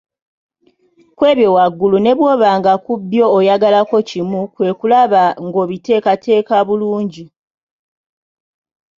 Kw’ebyo waggulu ne bw’oba nga ku byo ayagalako kimu kwe kulaba ng’okiteekateeka bulungi.